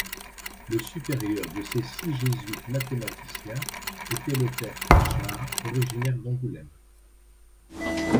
Le supérieur de ces six jésuites mathématiciens était le père Tachard, originaire d'Angoulême.